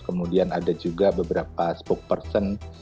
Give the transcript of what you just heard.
kemudian ada juga beberapa spokesperson